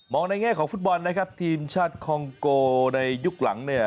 ในแง่ของฟุตบอลนะครับทีมชาติคองโกในยุคหลังเนี่ย